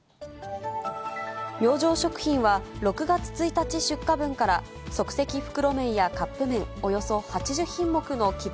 明星食品は６月１日出荷分から、即席袋麺やカップ麺およそ８０品目の希望